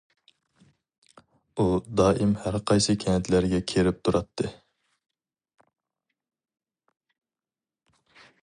ئۇ دائىم ھەر قايسى كەنتلەرگە كېرىپ تۇراتتى.